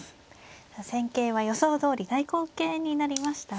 戦型は予想どおり対抗型になりましたね。